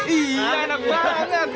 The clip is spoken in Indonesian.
iya enak banget